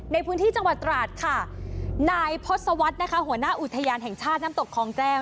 ในพื้นที่จังหวัดตราดค่ะนายพศวรรษนะคะหัวหน้าอุทยานแห่งชาติน้ำตกคลองแก้ว